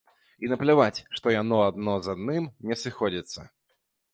І напляваць, што яно адно з адным не сыходзіцца.